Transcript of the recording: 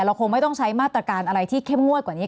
คงไม่ต้องใช้มาตรการอะไรที่เข้มงวดกว่านี้